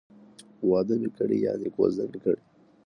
واده می کړی ،یعنی کوزده می کړې